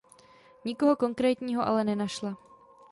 Nikoho konkrétního ale nenašla.